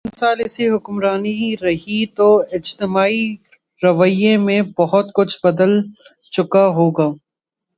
پانچ سال ایسی حکمرانی رہی تو اجتماعی رویوں میں بہت کچھ بدل چکا ہو گا۔